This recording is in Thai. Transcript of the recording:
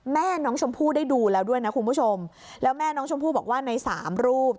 แม่น้องชมพู่ได้ดูแล้วด้วยนะคุณผู้ชมแล้วแม่น้องชมพู่บอกว่าในสามรูป